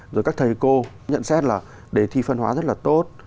rồi các thầy cô nhận xét là đề thi phân hóa rất là tốt